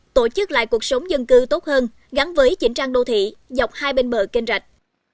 tổ chức lại cuộc sống dân cư tốt hơn gắn với chỉnh trang đô thị dọc hai bên bờ kênh rạch